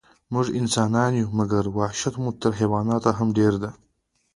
موږ انسانان یو، مګر وحشت مو تر حیواناتو هم ډېر ده.